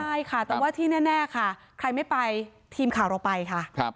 ใช่ค่ะแต่ว่าที่แน่ค่ะใครไม่ไปทีมข่าวเราไปค่ะ